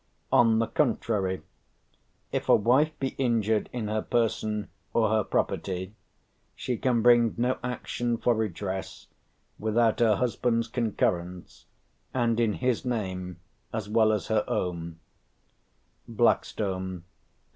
On the contrary: "If a wife be injured in her person, or her property, she can bring no action for redress without her husband's concurrence, and in his name as well as her own" (Blackstone, p.